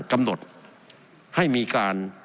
กำหนดให้มีการ